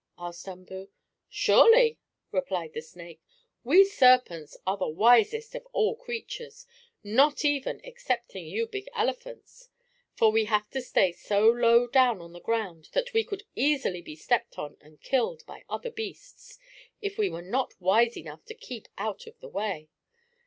asked Umboo. "Surely," replied the snake. "We serpents are the wisest of all creatures, not even excepting you big elephants. For we have to stay so low down on the ground that we would easily be stepped on and killed by other beasts, if we were not wise enough to keep out of the way.